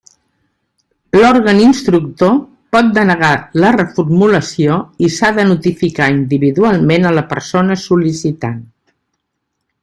L'òrgan instructor pot denegar la reformulació i s'ha de notificar individualment a la persona sol·licitant.